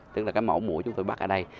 tức là cái mẫu mũi chúng tôi bắt ở đây